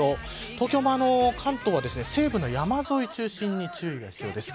東京の関東は西部の山沿いを中心に注意が必要です。